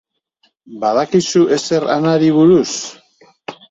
Badakizu ezer Anari buruz?